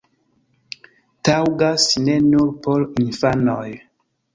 Taŭgas ne nur por infanoj!